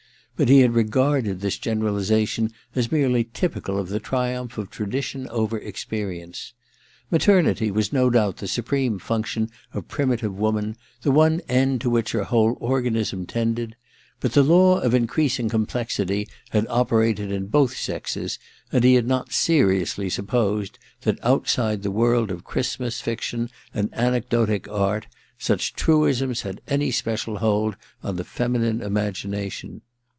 But he had regarded this generalization as merely typical of the triumph of tradition over experience. Maternity was no doubt the supreme function of primitive woman, the one end to which her whole organism tended ; but the law of increasing complexity had operated in both sexes, and he had not seriously supposed that, outside the world of Christmas fiction and anec dotic art, such truisms had any special hold on the feminine imagination.